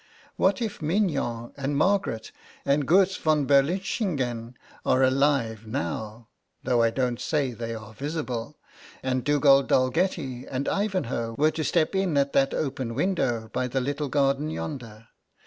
What if Mignon, and Margaret, and Goetz von Berlichingen are alive now (though I don't say they are visible), and Dugald Dalgetty and Ivanhoe were to step in at that open window by the little garden yonder?